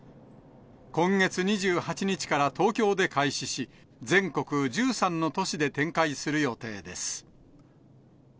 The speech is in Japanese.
今月２８日から東京で開始し、全国１３の都市で展開する予定です。